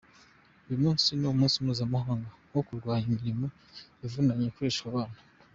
Uyu munsi ni umunsi mpuzamahanga wo kurwanya imirimo ivunanye Ikoreshwa abana.